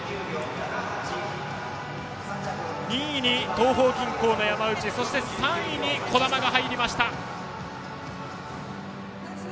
２位に東邦銀行の山内そして３位に児玉が入りました。